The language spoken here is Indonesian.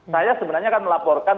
saya sebenarnya akan melaporkan